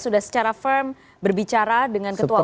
sudah secara firm berbicara dengan ketua umum